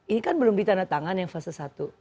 ini kan belum ditandatangan yang fase satu